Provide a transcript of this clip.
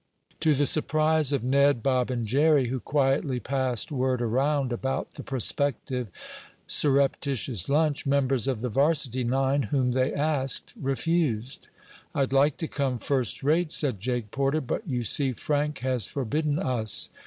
To the surprise of Ned, Bob and Jerry, who quietly passed word around about the prospective surreptitious lunch, members of the varsity nine whom they asked, refused. "I'd like to come, first rate," said Jake Porter, "but you see Frank has forbidden us."